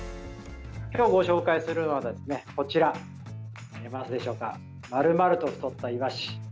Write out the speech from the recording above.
今日ご紹介するのはこちら、見えますでしょうかまるまると太ったイワシ。